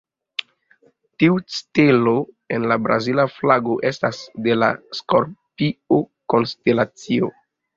Tiu stelo en la Brazila flago estas de la Skorpio konstelacio.